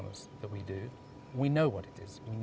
jangkaan yang kita lakukan